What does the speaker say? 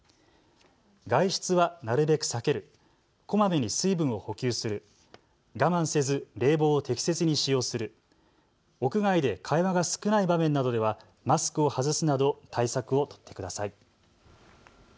外出はなるべく避ける、こまめに水分を補給する、我慢せず冷房を適切に使用する、屋外で会話が少ない場面などではマスクを外すなど対策を取ってください。